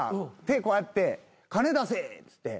手こうやって「金出せ」っつって。